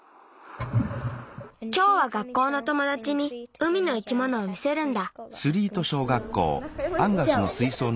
きょうは学校のともだちに海の生き物を見せるんだ。